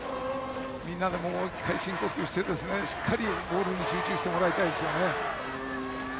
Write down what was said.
みんなでもう１回、深呼吸してしっかりボールに集中してもらいたいですね。